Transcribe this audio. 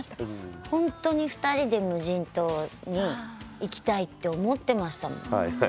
本当に２人で無人島に行きたいって思ってましたもん。